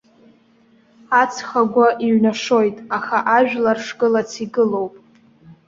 Аҵх агәы еиҩнашоит, аха ажәлар шгылац игылоуп.